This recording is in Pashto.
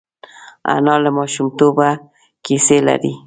انا له ماشومتوبه کیسې لري